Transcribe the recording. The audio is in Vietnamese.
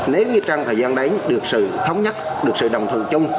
nếu như trong thời gian đánh được sự thống nhắc được sự đồng thường chung